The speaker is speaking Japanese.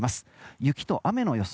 雪と雨の予想